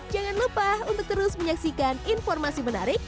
jangan lupa untuk terus menyaksikan informasi menarik